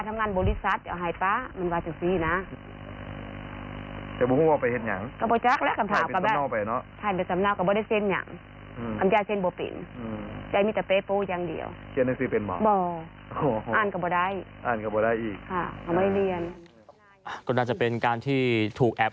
อ้านก็ไม่ได้